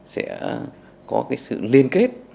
sẽ có sự liên kết